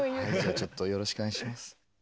ちょっとよろしくお願いします。